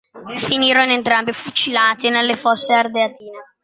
Finirono entrambi fucilati nelle Fosse Ardeatine.